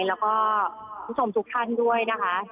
และคุณอุดมสุขท่านด้วยนะคะ